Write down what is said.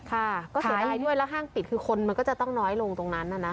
ค่ะก็เสียดายด้วยแล้วห้างปิดคือคนมันก็จะต้องน้อยลงตรงนั้นน่ะนะ